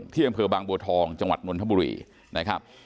ที่อำเภอบังบัวทองจังหวัดนวลธามุรีนะครับ